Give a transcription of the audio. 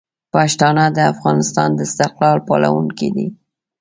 پښتانه د افغانستان د استقلال پالونکي دي.